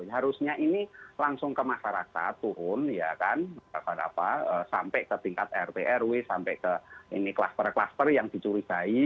harusnya ini langsung ke masyarakat turun sampai ke tingkat rprw sampai ke kluster kluster yang dicurigai